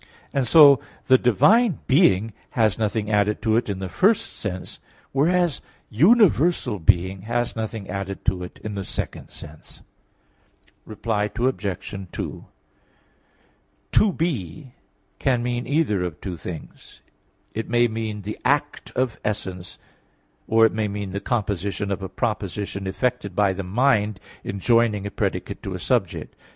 And so the divine being has nothing added to it in the first sense; whereas universal being has nothing added to it in the second sense. Reply Obj. 2: "To be" can mean either of two things. It may mean the act of essence, or it may mean the composition of a proposition effected by the mind in joining a predicate to a subject.